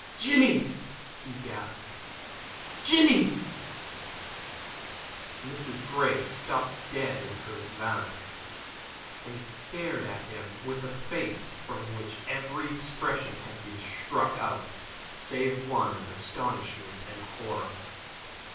"Jinny!" he gasped "Jinny!" Mrs. Grey stopped dead in her advance, and stared at him with a face from which every expression had been struck out, save one of astonishment and horror.